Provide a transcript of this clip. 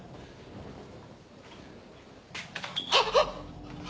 あっ！